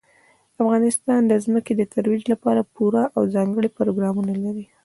افغانستان د ځمکه د ترویج لپاره پوره او ځانګړي پروګرامونه لري.